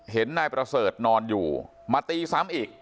เห็นนายประเสริฐนอนอยู่มาตีซ้ำอีก